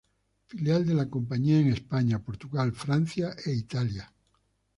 Filial de la compañía en España, Portugal, Francia e Italia.